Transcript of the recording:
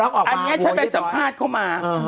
อันนี้ฉันไปสัมภาษณ์เข้ามา